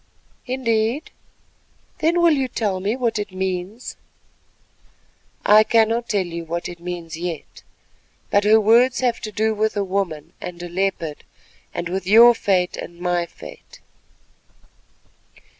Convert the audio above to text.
"Indeed? Then will you tell me what it means?" "I cannot tell you what it means yet, but her words have to do with a woman and a leopard, and with your fate and my fate."